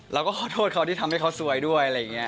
เราก็ขอโทษเขาที่ทำให้เขาซวยด้วยอะไรอย่างนี้